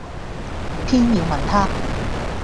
偏要問他。